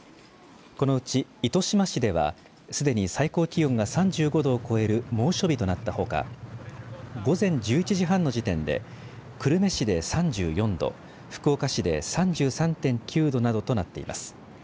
このうち糸島市ではすでに最高気温が３５度を超える猛暑日となったほか午前１１時半の時点で久留米市で３４度福岡市で３３．９度などとなっています。